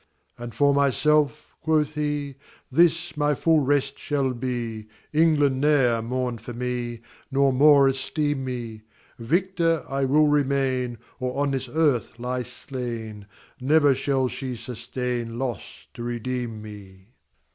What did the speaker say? And for myself, quoth he, This my full rest shall be, England ne'er mourn for me, Nor more esteem me; Victor I will remain Or on this earth lie slain, Never shall she sustain Loss to redeem me.